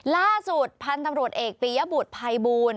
ล่าสุดพันธุ์ตำรวจเอกปียบุตรภัยบูล